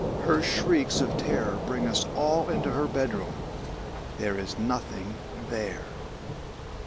Her shrieks of terror bring us all into her bedroom there is nothing there.